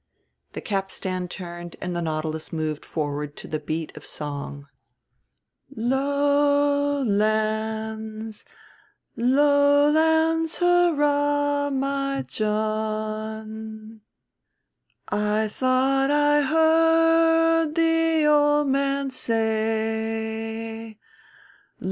The capstan turned and the Nautilus moved forward to the beat of song. "Low lands, low lands, hurrah, my John, I thought I heard the old man say.